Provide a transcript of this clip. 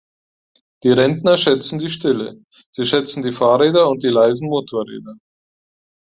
Die Rentner schätzen die Stille, sie schätzen die Fahrräder und die leisen Motorräder.